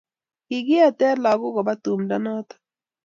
kikiete lagok koba tumdo noto